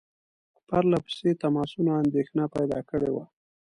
پرله پسې تماسونو اندېښنه پیدا کړې وه.